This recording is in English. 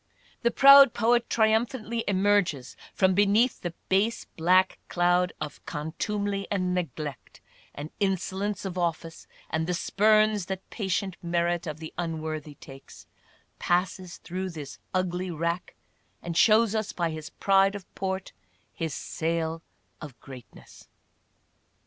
The proud poet triumphantly emerges from beneath the base black cloud of contumely and neglect — the insolence of office and the spurns that patient merit of the unworthy takes — passes through this ugly rack and shows us by his pride of port his sail of greatness.